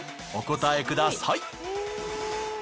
お答えください。